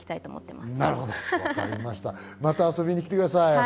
また遊びに来てください。